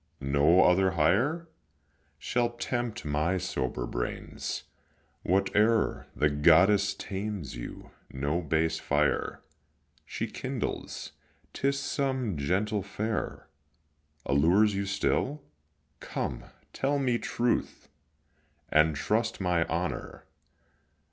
no other hire Shall tempt my sober brains. Whate'er The goddess tames you, no base fire She kindles; 'tis some gentle fair Allures you still. Come, tell me truth, And trust my honour.